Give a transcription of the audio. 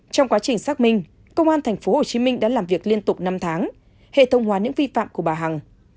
trong quá trình xác minh công an tp hcm đã làm việc liên tục năm tháng hệ thông hóa những vi phạm của bà hằng